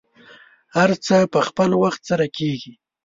هر څه په خپل وخت سره کیږي.